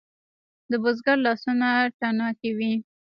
د بزګر لاسونه تڼاکې وي.